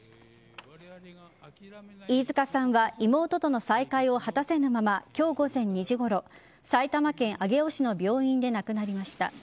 飯塚さんは妹との再会を果たせぬまま今日午前２時ごろ埼玉県上尾市の病院で亡くなりました。